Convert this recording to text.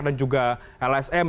dan juga lsm